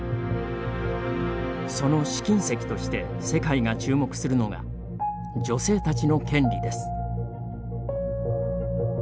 その試金石として、世界が注目するのが女性たちの権利です。